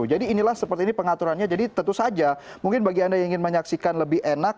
jadi inilah seperti ini pengaturannya jadi tentu saja mungkin bagi anda yang ingin menyaksikan lebih enak